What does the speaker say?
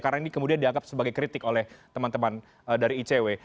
karena ini kemudian dianggap sebagai kritik oleh teman teman dari icw